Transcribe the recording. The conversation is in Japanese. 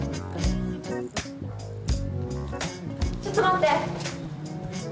ちょっと待って！